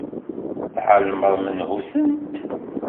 Tεelmeḍ menhu-tent?